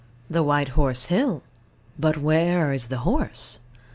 The White Horse Hill? But where is the horse?